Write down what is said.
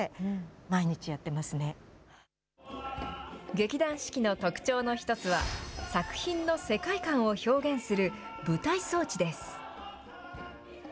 劇団四季の特徴の１つは、作品の世界観を表現する舞台装置です。